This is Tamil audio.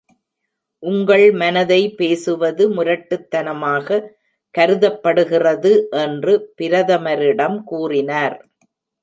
உங்கள் மனதை பேசுவது முரட்டுத்தனமாக கருதப்படுகிறது என்று பிரதமரிடம் கூறினார்.